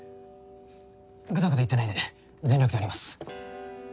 ぐだぐだ言ってないで全力でやります。